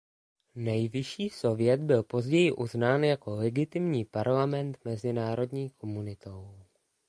Nejvyšší sovět byl později uznán jako legitimní parlament mezinárodní komunitou.